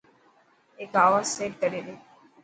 هڪ آواز سيٽ ڪري ڏي.